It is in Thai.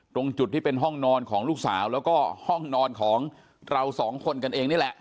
ตรงจุดที่เป็นห้องนอนของลูกสาวแล้วก็ห้องนอนของเราสองคนกันเองนี่แหละ